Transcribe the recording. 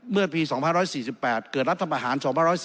เมื่อปี๒๔๘เกิดรัฐประหาร๒๔